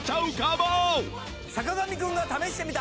『坂上くんが試してみた！！』。